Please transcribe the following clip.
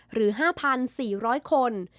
หรือ๕๔๐๐คน